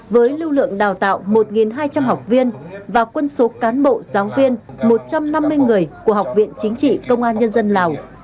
với lưu lượng đào tạo một hai trăm linh học viên và quân số cán bộ giáo viên một trăm năm mươi người của học viện chính trị công an nhân dân lào